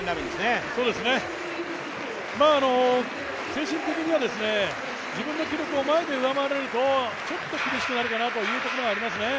精神的には自分の記録を前で上回れるとちょっと厳しくなるかなというところはありますね。